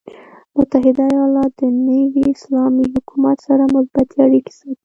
متحده ایالات د نوي اسلامي حکومت سره مثبتې اړیکې ساتي.